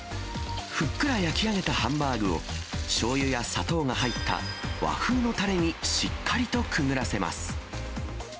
ふっくら焼き上げたハンバーグを、しょうゆや砂糖が入った和風のたれにしっかりとくぐらせます。